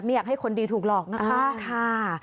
อยากให้คนดีถูกหลอกนะคะ